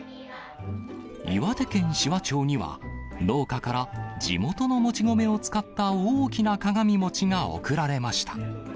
岩手県紫波町には、農家から地元のもち米を使った大きな鏡餅が贈られました。